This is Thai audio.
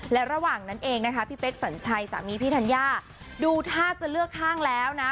และระหว่างนั้นเองนะคะพี่เป๊กสัญชัยสามีพี่ธัญญาดูท่าจะเลือกข้างแล้วนะ